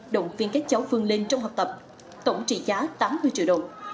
động viên các cháu phương lên trong học tập tổng trị giá tám mươi triệu đồng